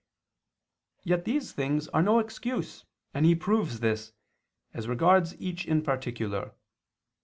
Yet these things are no excuse, and he proves this, as regards each in particular.